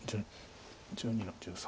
１２の十三。